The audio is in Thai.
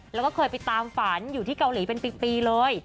แล้วก็เคยไปตามฝันอยู่ที่เกาหลีเป็นปีเลย